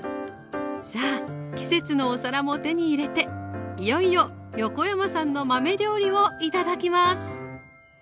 さあ季節のお皿も手に入れていよいよ横山さんの豆料理を頂きます。